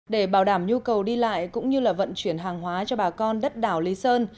để bảo đảm nhu cầu đi lại cũng như là vận chuyển hàng hóa cho bà con đất đảo lý sơn